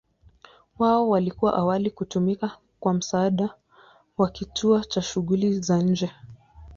Wao walikuwa awali kutumika kwa msaada wa kituo cha shughuli za nje.